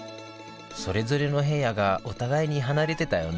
それぞれの部屋がお互いに離れてたよね